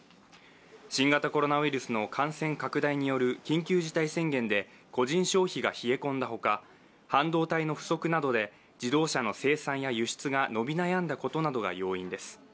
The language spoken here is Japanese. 新型コロナウイルスの感染拡大による緊急事態宣言で個人消費が冷え込んだほか、半導体の不足などで自動車の生産や輸出が伸び悩んだことなどが要因です。